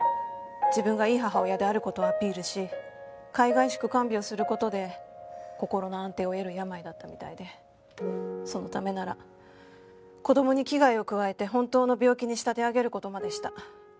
自分がいい母親である事をアピールしかいがいしく看病する事で心の安定を得る病だったみたいでそのためなら子供に危害を加えて本当の病気に仕立て上げる事までした。